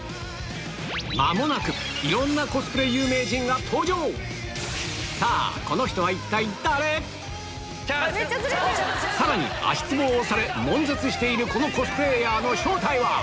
間もなくいろんなコスプレ有名人が登場さぁさらに足つぼを押されもん絶しているこのコスプレイヤーの正体は？